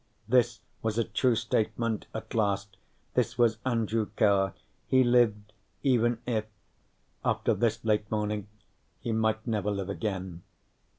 This was a true statement at last. This was Andrew Carr; he lived, even if, after this late morning, he might never live again.